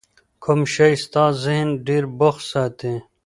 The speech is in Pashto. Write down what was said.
کوم شی ستا ذهن ډېر بوخت ساتي؟